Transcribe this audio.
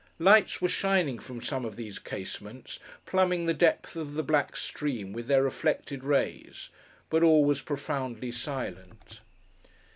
Lights were shining from some of these casements, plumbing the depth of the black stream with their reflected rays, but all was profoundly silent.